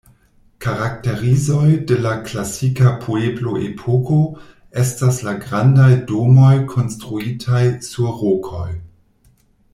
Karakterizoj de la klasika pueblo-epoko estas la grandaj domoj konstruitaj sur rokoj.